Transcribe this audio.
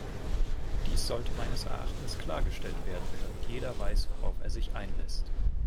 Dies sollte meines Erachtens klargestellt werden, damit jeder weiß, worauf er sich einlässt.